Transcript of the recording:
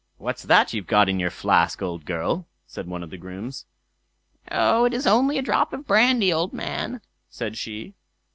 "What's that you've got in your flask, old girl?" said one of the grooms. "Oh! it's only a drop of brandy, old man", said she.